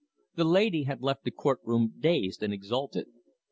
The lady had left the court room dazed and exalted.